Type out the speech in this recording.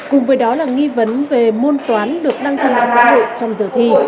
cùng với đó là nghi vấn về môn toán được đăng trên mạng giáo dục trong giờ thi